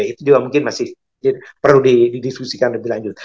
itu juga mungkin masih perlu didiskusikan lebih lanjut